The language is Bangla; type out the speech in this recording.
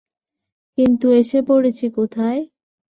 কিন্তু এসে পড়েছি কোথায়?